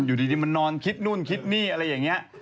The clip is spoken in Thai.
อยู่ดีมันนอนคิดนู่นคิดนี่อะไรอย่างนี้